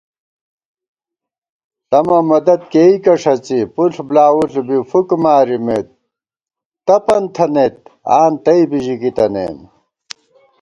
ݪَمہ مدد کېئیکہ ݭَڅی ، پُݪ بۡلاوُݪ بی فُک مارِمېت، تپَن تھنَئیت، آں تئ بِژِکی تَنَئیم